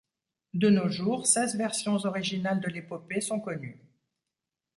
De nos jours, seize versions originales de l'épopée sont connues.